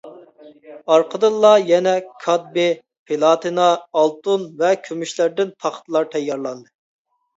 ئارقىدىنلا يەنە كادمىي، پىلاتىنا، ئالتۇن ۋە كۈمۈشلەردىن تاختىلار تەييارلاندى.